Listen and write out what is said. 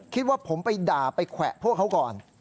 คิดว่าผมไปด่าไปแขวะพวกเขาก่อน